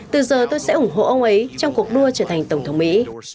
từ giờ tôi sẽ ủng hộ ông ấy trong cuộc đua trở thành tổng thống mỹ